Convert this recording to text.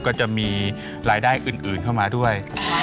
ก็จะมีรายได้อื่นเข้ามาด้วย